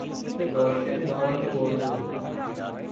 روشن دان کھول دو